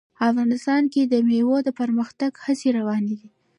افغانستان کې د مېوې د پرمختګ هڅې روانې دي.